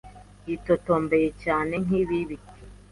yitotombeye cyane nkibibi.